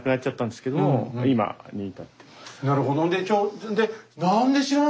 なるほど。